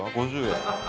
５０円。